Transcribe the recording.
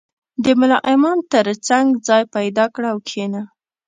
• د ملا امام تر څنګ ځای پیدا کړه او کښېنه.